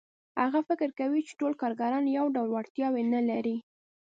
هغه فکر کوي چې ټول کارګران یو ډول وړتیاوې نه لري